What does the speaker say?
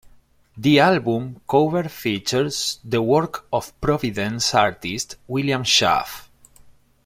The album cover features the work of Providence artist William Schaff.